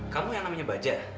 kamu yang namanya bajah